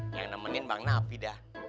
yang nemenin bang napi dah